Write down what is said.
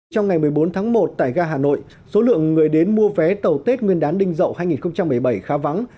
trong ngày một mươi bốn tháng một tại ga hà nội số lượng người đến mua vé tàu tết nguyên đán đinh dậu hai nghìn một mươi bảy khá vắng